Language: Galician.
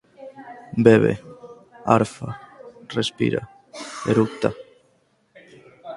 Bebe, arfa, respira, eructa